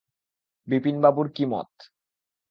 বিপিনবাবুর কী মত?